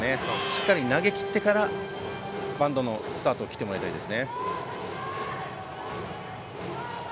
しっかり投げきってからバントのスタートを切ってもらいたいです。